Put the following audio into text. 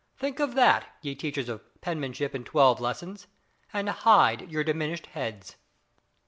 Think of that, ye teachers of "penmanship in twelve lessons," and hide your diminished heads.